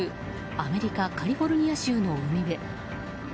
アメリカ・カリフォルニア州の海辺。